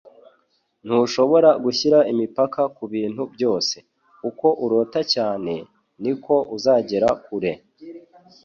Ntushobora gushyira imipaka kubintu byose. Uko urota cyane, ni ko uzagera kure. ”